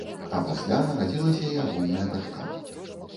А пасля нарадзілася і агульная дачка.